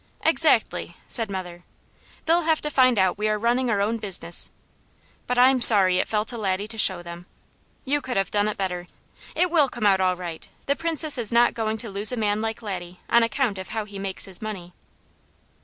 "Exactly!" said mother. "They'll have to find out we are running our own business; but I'm sorry it fell to Laddie to show them. You could have done it better. It will come out all right. The Princess is not going to lose a man like Laddie on account of how he makes his money."